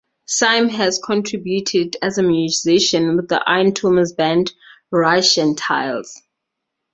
Syme has contributed as a musician with Ian Thomas Band, Rush and Tiles.